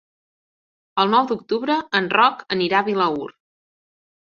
El nou d'octubre en Roc anirà a Vilaür.